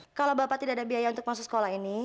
ya ya ya kalau bapak tidak ada biaya untuk masuk sekolah ya